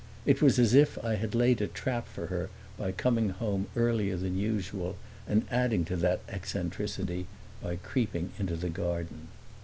It was as if I had laid a trap for her by coming home earlier than usual and adding to that eccentricity by creeping into the garden.